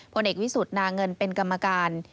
ผลเอกวิสุทธิ์นาเงินเป็นกรรมการ